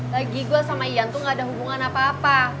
lagi gue sama ian tuh gak ada hubungan apa apa